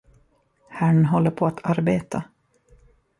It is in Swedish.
Herrn håller på att arbeta.